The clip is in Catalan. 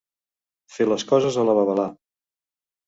Fer les coses a la babalà.